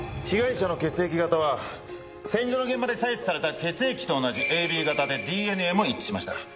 被害者の血液型は千住の現場で採取された血液と同じＡＢ型でＤＮＡも一致しました。